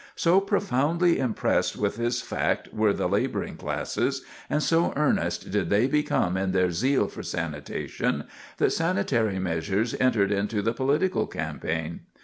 So profoundly impressed with this fact were the laboring classes, and so earnest did they become in their zeal for sanitation, that sanitary measures entered into the political campaign.